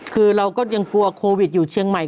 คือเราก็ยังกลัวโควิดอยู่เชียงใหม่